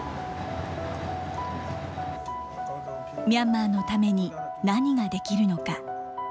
ミャンマーのために何ができるのか。